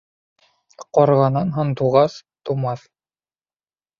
Ҡарғанан һандуғас тыумаҫ.